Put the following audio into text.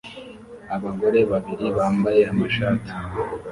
Abagore babiri bambaye amashati